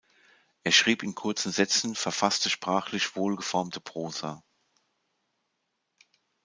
Er schrieb in kurzen Sätzen verfasste, sprachlich wohl geformte Prosa.